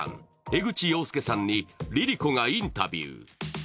江口洋介さんにＬｉＬｉＣｏがインタビュー。